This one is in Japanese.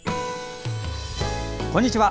こんにちは。